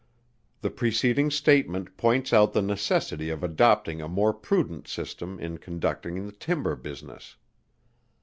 The preceding statement points out the necessity of adopting a more prudent system in conducting the timber business.